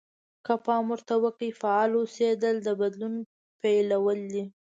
که پام ورته وکړئ فعال اوسېدل د بدلون پيلول دي.